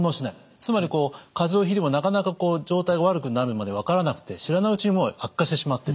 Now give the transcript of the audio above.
つまり風邪をひいてもなかなか状態が悪くなるまで分からなくて知らないうちに悪化してしまってる